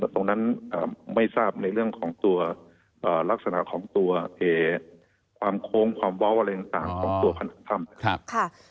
ตรงนั้นไม่ทราบในเรื่องของตัวลักษณะของตัวความโค้งความเว้าอะไรต่างของตัวผนังถ้ำ